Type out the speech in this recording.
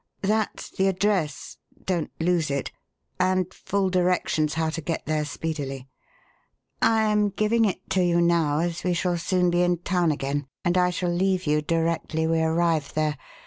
That's the address (don't lose it) and full directions how to get there speedily. I am giving it to you now, as we shall soon be in town again and I shall leave you directly we arrive there.